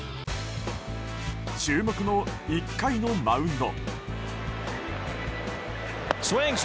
注目の１回のマウンド。